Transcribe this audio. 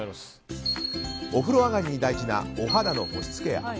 お風呂上がりに大事なお肌の保湿ケア。